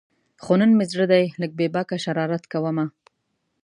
خو نن مې زړه دی لږ بې باکه شرارت کومه